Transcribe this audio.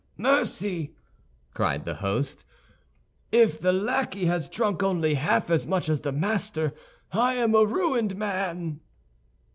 "Mercy!" cried the host, "if the lackey has drunk only half as much as the master, I am a ruined man."